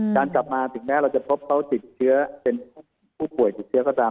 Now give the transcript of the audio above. กลับมาถึงแม้เราจะพบเขาติดเชื้อเป็นผู้ป่วยติดเชื้อก็ตาม